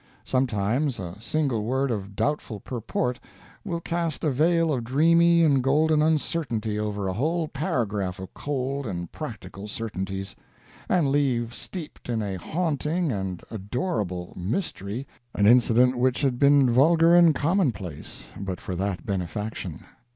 Sometimes a single word of doubtful purport will cast a veil of dreamy and golden uncertainty over a whole paragraph of cold and practical certainties, and leave steeped in a haunting and adorable mystery an incident which had been vulgar and commonplace but for that benefaction.